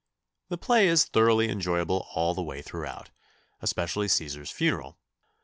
The play is thoroughly enjoyable all the way through, especially Cæsar's funeral.